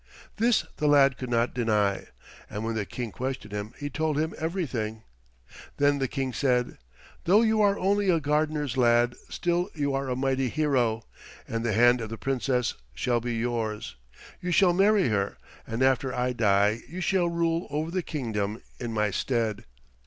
This the lad could not deny, and when the King questioned him he told him everything. Then the King said, "Though you are only a gardener's lad still you are a mighty hero, and the hand of the Princess shall be yours. You shall marry her, and after I die you shall rule over the kingdom in my stead."